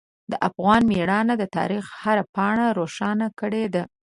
د افغان میړانه د تاریخ هره پاڼه روښانه کړې ده.